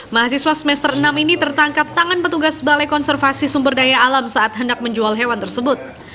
mahasiswa semester enam ini tertangkap tangan petugas balai konservasi sumber daya alam saat hendak menjual hewan tersebut